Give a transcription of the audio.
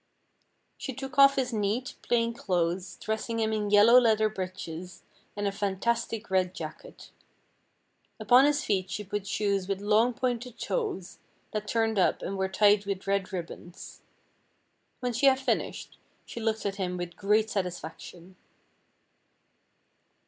She took off his neat, plain clothes, dressing him in yellow leather breeches and a fantastic red jacket. Upon his feet she put shoes with long pointed toes, that turned up and were tied with red ribbons. When she had finished, she looked at him with great satisfaction.